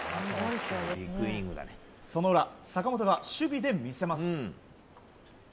その裏、坂本が守備で魅せます。